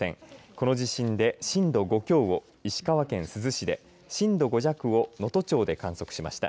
この地震で震度５強を石川県珠洲市で震度５弱を能登町で観測しました。